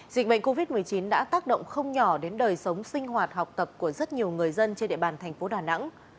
dịch bệnh covid một mươi chín đã tác động không nhỏ đến đời sống sinh hoạt học tập của rất nhiều người dân trên địa bàn thành phố đà nẵng